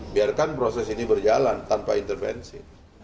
biarkan proses ini berjalan tanpa intervensi